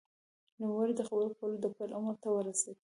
نوموړی د خبرو کولو د پیل عمر ته ورسېد